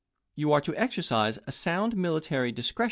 You are to exercise a sound military discretion chap.